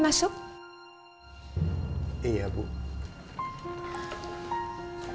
kamu akan tak dikenalkan